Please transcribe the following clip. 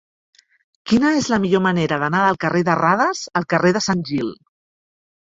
Quina és la millor manera d'anar del carrer de Radas al carrer de Sant Gil?